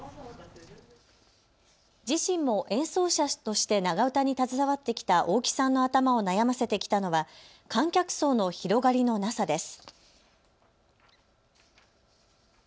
自身も演奏者として長唄に携わってきた大木さんの頭を悩ませてきたのは観客層の広がりのなさです。